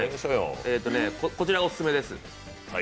こちらオススメです。